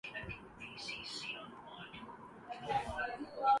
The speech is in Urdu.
اس کے باوجود یہ کہا جاتاہے کہ یورپ میں حجاب پہلے سے زیادہ دکھائی دینے لگا ہے۔